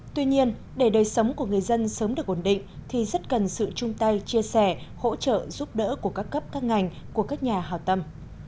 tuy nhiên để đời sống của người dân sớm được ổn định thì rất cần sự chung tay chia sẻ hỗ trợ giúp đỡ của các cấp các ngành của các nhà hào tâm